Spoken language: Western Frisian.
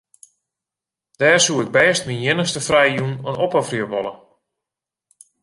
Dêr soe ik bêst myn iennichste frije jûn oan opofferje wolle.